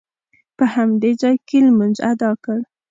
په همدې ځاې کې لمونځ ادا کړ.